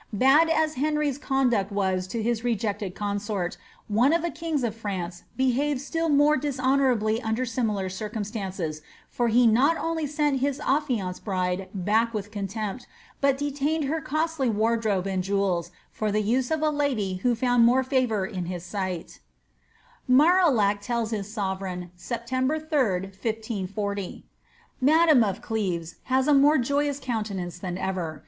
Bad as Henry's con duct was to his rejected consort, one of the kings o( France behaved still more dishonourably under similar circumstances, for he not oolj sent his affianced bride back with contempt, but detained her costly wardrobe and jewels for the use of a lady who had found more &voiir in his sight Marillac tells his sovereign, September 3d, 1540, ^Madame of Cleves has a more joyous countenance than ever.